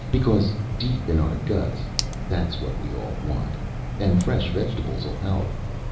Because, deep in our guts, that's what we all want. And fresh vegetables'll help....